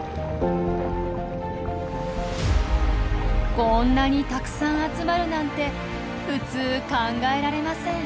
こんなにたくさん集まるなんて普通考えられません。